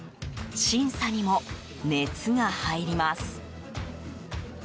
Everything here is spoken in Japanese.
審査にも熱が入ります。